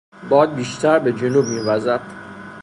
باد بیشتر به سوی جنوب میوزد.